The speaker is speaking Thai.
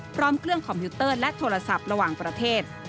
พร้อมเครื่องคอมพิวเตอร์และโทรศัพท์ระหว่างประเทศ